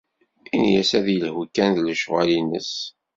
Ini-as ad yelhu kan s lecɣal-nnes.